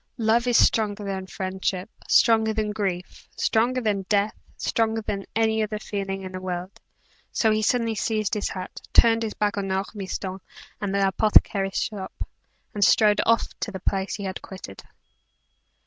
Love is stronger than friendship, stronger than grief, stronger than death, stronger than every other feeling in the world; so he suddenly seized his hat, turned his back on Ormiston and the apothecary's shop, and strode off to the place he had quitted.